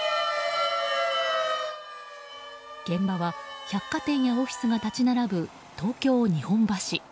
現場は百貨店やオフィスが立ち並ぶ、東京・日本橋。